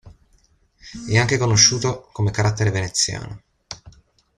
È anche conosciuto come carattere veneziano.